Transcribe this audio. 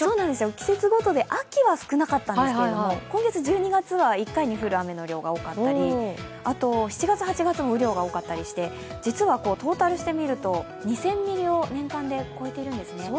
季節ごとで秋は少なかったんですけれども、今月、１２月は１回に降る雨の量が多かったりあと７月、８月も雨量が多かったりして実はトータルしてみると２０００ミリを年間で超えているんですね。